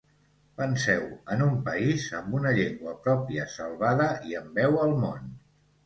Penseu en un país amb una llengua pròpia salvada i amb veu al món.